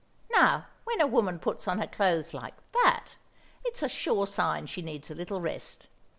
Now when a woman puts on her clothes like that, it's a sure sign she needs a little rest.